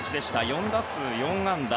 ４打数４安打。